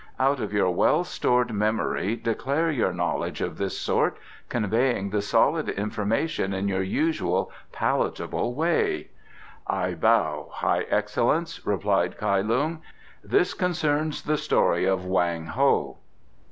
Out of your well stored memory declare your knowledge of this sort, conveying the solid information in your usual palatable way." "I bow, High Excellence," replied Kai Lung. "This concerns the story of Wang Ho."